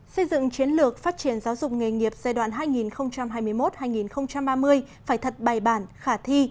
xây dựng chiến lược phát triển giáo dục nghề nghiệp giai đoạn hai nghìn hai mươi một hai nghìn ba mươi phải thật bài bản khả thi